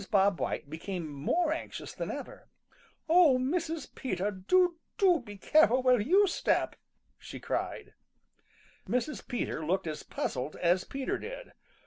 Bob White became more anxious than ever. "Oh, Mrs. Peter, do, do be careful where you step!" she cried. Mrs. Peter looked as puzzled as Peter did.